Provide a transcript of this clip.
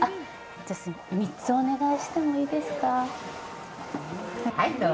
３つお願いしてもいいですか？